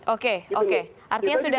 oke oke artinya sudah